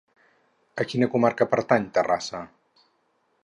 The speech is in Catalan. A quina comarca pertany Terrassa?